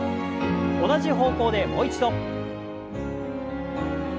同じ方向でもう一度。